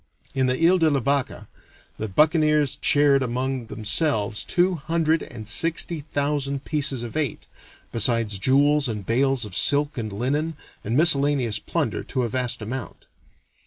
In the Ile de la Vache the buccaneers shared among themselves two hundred and sixty thousand pieces of eight, besides jewels and bales of silk and linen and miscellaneous plunder to a vast amount.